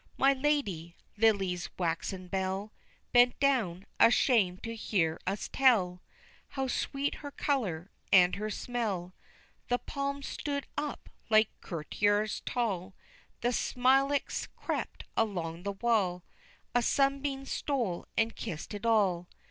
My lady, Lily's waxen bell, Bent down, ashamed to hear us tell How sweet her color, and her smell. The palms stood up like courtiers tall, The smilax crept along the wall, A sunbeam stole and kissed it all.